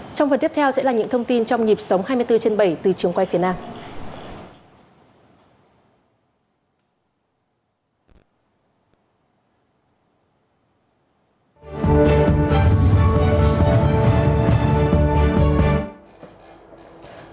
trong phần tiếp theo sẽ là những thông tin trong nhịp sống hai mươi bốn trên bảy từ trường quay phía nam